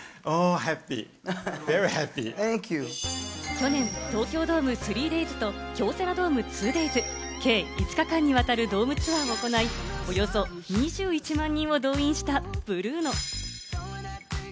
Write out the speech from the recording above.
去年、東京ドーム３デイズと京セラドーム２デイズ、計５日間にわたるドームツアーを行い、およそ２１万人を動員したブルーノ。